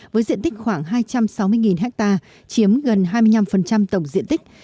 với diện tích khoảng hai trăm sáu mươi ha chiếm gần hai mươi năm tổng diện tích